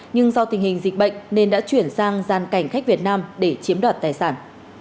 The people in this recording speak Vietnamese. nhưng do tình hình dịch bệnh nên đã chuyển sang gian cảnh khách việt nam để chiếm đoạt tài sản